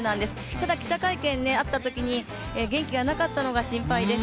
ただ記者会見あったときに元気がなかったのが心配です。